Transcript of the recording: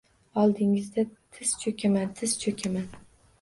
Oldingizda tiz choʻkaman, tiz choʻkaman!..